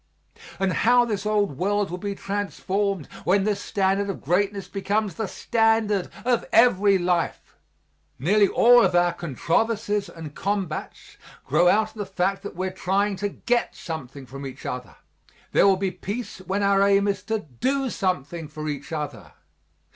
And how this old world will be transformed when this standard of greatness becomes the standard of every life! Nearly all of our controversies and combats grow out of the fact that we are trying to get something from each other there will be peace when our aim is to do something for each other.